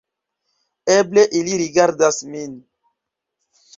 Eble ili rigardas min.